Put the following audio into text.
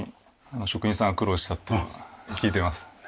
職人さんが苦労したって聞いてます。